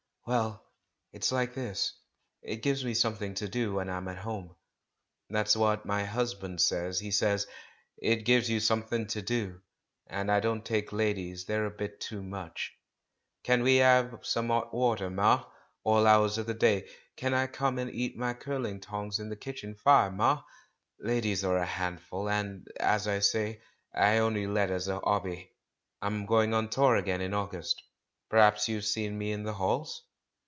'* "Well, it's like this, it gives me something to do when I'm at home. That's what my husband says; he says, 'It gives you something to do.' And I don't take ladies, they're a bit too much — 'Can we 'ave some 'ot water, Ma?' all hours of the day; 'Can I come and 'eat my curling tongs in the kitchen fire, JNIa?' Ladies are a handful, and, as I saj% I only let as a 'obby. I'm going on tour again in August. Perhaps you've seen me in the Halls?"